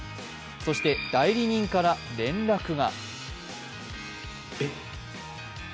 そして代理人から連絡が。